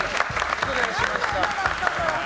失礼しました。